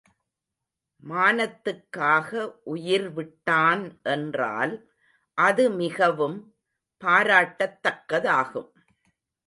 மானத்துக்காக உயிர்விட்டான் என்றால் அது மிகவும் பாராட்டத்தக்கதாகும்.